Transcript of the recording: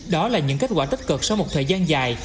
đó là những kết quả tích cực sau một thời gian dài